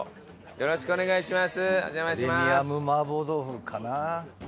よろしくお願いします。